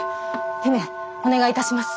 姫お願いいたします。